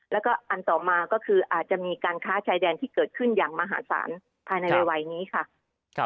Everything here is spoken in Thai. แล้วก็อันต่อมาก็คืออาจจะมีการค้าชายแดนที่เกิดขึ้นอย่างมหาศาลภายในวัยนี้ค่ะ